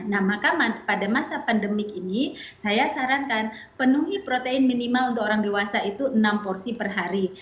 nah maka pada masa pandemik ini saya sarankan penuhi protein minimal untuk orang dewasa itu enam porsi per hari